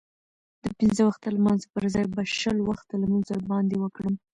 د پنځه وخته لمانځه پرځای به شل وخته لمونځ در باندې وکړم.